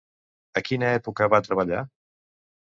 A quina època va treballar?